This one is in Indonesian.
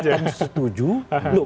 dua pihaknya kelihatan setuju